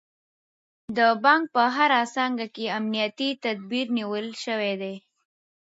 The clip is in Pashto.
د بانک په هره څانګه کې امنیتي تدابیر نیول شوي دي.